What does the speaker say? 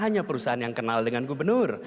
hanya perusahaan yang kenal dengan gubernur